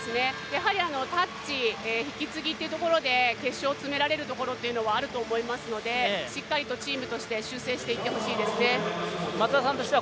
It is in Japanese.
やはりタッチ、引き継ぎというところで決勝、詰められるところはあと思いますので、しっかりとチームとして修正していってほしいですね。